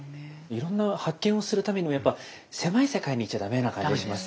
いろんな発見をするためにもやっぱ狭い世界にいちゃダメな感じがしますね。